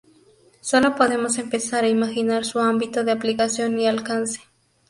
Solo podemos empezar a imaginar su ámbito de aplicación y alcance.